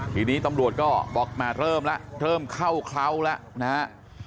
ทีนี้ตำรวจก็บอกแหมเริ่มแล้วเริ่มเข้าเคล้าแล้วนะฮะ